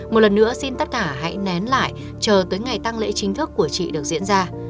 một lần nữa xin tất cả hãy nén lại chờ tới ngày tăng lễ chính thức của chị được diễn ra